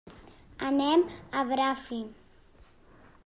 Anem a Bràfim.